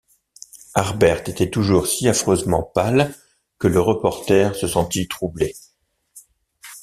Harbert était toujours si affreusement pâle que le reporter se sentit troublé.